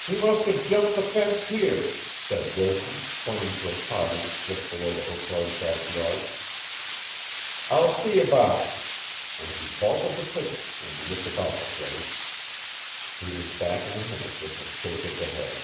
"He must have jumped the fence here," said Wilson, pointing to a cottage just beyond the hotel's back yard. "I'll see about it." And he vaulted the pickets and looked about the place. He was back in a minute with a shake of the head.